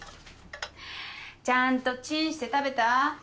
ちゃんとチンして食べた？